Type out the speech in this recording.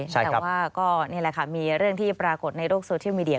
แต่ว่าก็นี่แหละค่ะมีเรื่องที่ปรากฏในโลกโซเชียลมีเดีย